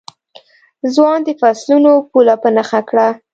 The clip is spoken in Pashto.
ځوان د فصلونو پوله په نښه کړه.